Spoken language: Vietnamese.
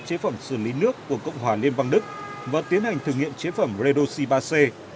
chế phẩm xử lý nước của cộng hòa liên bang đức và tiến hành thử nghiệm chế phẩm redoxi ba c